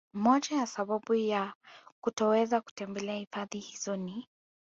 Moja ya sababu ya kutoweza kutembelea hifadhi hizo ni